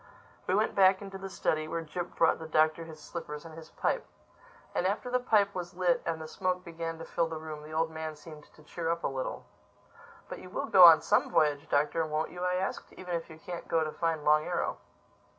We went back into the study, where Jip brought the Doctor his slippers and his pipe. And after the pipe was lit and the smoke began to fill the room the old man seemed to cheer up a little. "But you will go on some voyage, Doctor, won't you?" I asked—"even if you can't go to find Long Arrow."